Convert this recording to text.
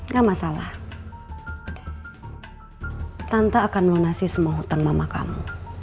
gak masalah tante akan melunasi semua utang mama kamu